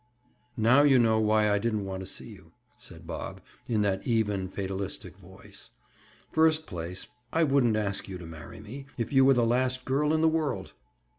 "Now you know why I didn't want to see you," said Bob, in that even fatalistic voice. "First place, I wouldn't ask you to marry me, if you were the last girl in the world!